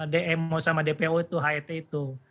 dmo sama dpo itu het itu